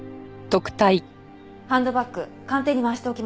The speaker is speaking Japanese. ハンドバッグ鑑定に回しておきました。